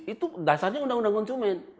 itu dasarnya undang undang konsumen